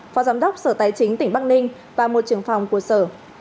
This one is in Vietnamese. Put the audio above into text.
phó giám đốc sở tài chính tỉnh bắc ninh và một trưởng phòng của sở